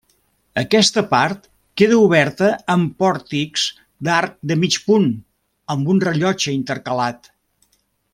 Aquesta part queda oberta amb pòrtics d'arc de mig punt amb un rellotge intercalat.